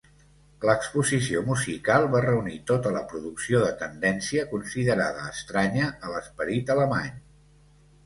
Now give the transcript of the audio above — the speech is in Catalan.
L'exposició musical va reunir tota la producció de tendència considerada estranya a l'esperit alemany.